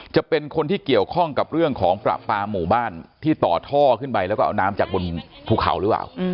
จะเป็นคนที่เกี่ยวข้องกับเรื่องของประปาหมู่บ้านที่ต่อท่อขึ้นไปแล้วก็เอาน้ำจากบนภูเขาหรือเปล่า